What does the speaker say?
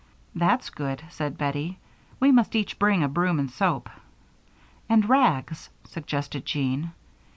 "That's good," said Bettie. "We must each bring a broom, and soap " "And rags," suggested Jean.